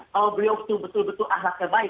kalau beliau itu betul betul ahlaknya baik